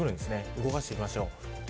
動かしてみまましょう。